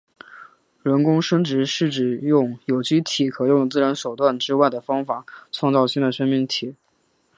人工生殖是指用有机体可用的自然手段之外的方法创造新的生命体。